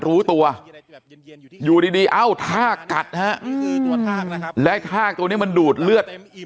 รู้ตัวอยู่ดีเอ้าท่ากัดฮะและท่าตัวนี้มันดูดเลือด